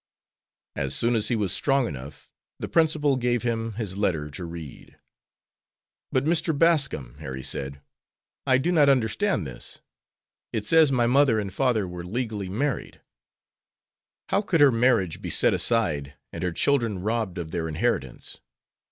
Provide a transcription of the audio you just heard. As soon as he was strong enough the principal gave him his letter to read. "But, Mr. Bascom," Harry said, "I do not understand this. It says my mother and father were legally married. How could her marriage be set aside and her children robbed of their inheritance?